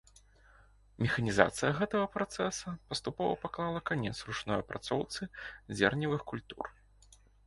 Механізацыя гэтага працэса паступова паклала канец ручной апрацоўцы зерневых культур.